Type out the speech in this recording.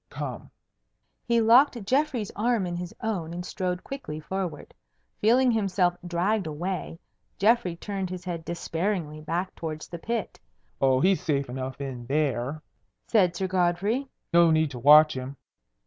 Come." He locked Geoffrey's arm in his own, and strode quickly forward. Feeling himself dragged away, Geoffrey turned his head despairingly back towards the pit. "Oh, he's safe enough in there," said Sir Godfrey. "No need to watch him."